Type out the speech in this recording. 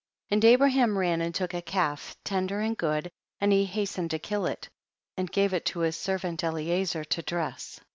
6. And Abraham ran and took a calf, tender and good, and he hasten ed to kill it, and gave it to his ser vant Eliezer to dress.